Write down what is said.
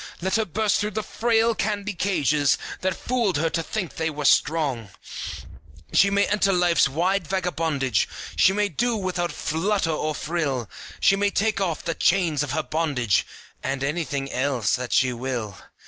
Let her burst through the frail candy cages That fooled her to think they were strong! She may enter life's wide vagabondage, She may do without flutter or frill, She may take off the chains of her bondage, And anything else that she will.